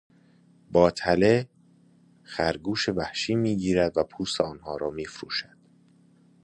با تله، خرگوش وحشی میگیرد و پوست آنها را میفروشد.